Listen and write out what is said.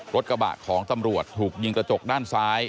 รถกระบะของตำรวจถูกยิงกระจกด้านซ้าย